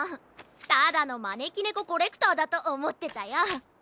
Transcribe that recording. ただのまねきねこコレクターだとおもってたよ。